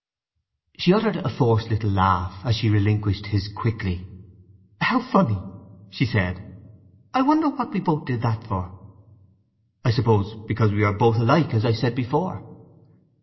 She uttered a forced little laugh as she relinquished his quickly. "How funny!" she said. "I wonder what we both did that for?" "I suppose because we are both alike, as I said before."